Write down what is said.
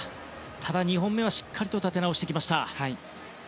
ただ２本目はしっかりと立て直してきました。